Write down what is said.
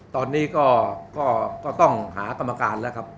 ตอนนี้ก็ต้องหากรรมการแล้วครับ